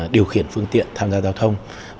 điều khiển phương tiện